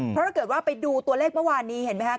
เพราะถ้าเกิดว่าไปดูตัวเลขเมื่อวานนี้เห็นไหมครับ